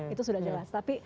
itu sudah jelas tapi